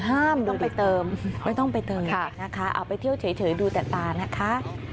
ต้องไปเติมไม่ต้องไปเติมนะคะเอาไปเที่ยวเฉยดูแต่ตานะคะ